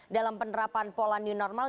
dalam penerapan pola new normal